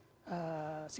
di tengah tengah situasi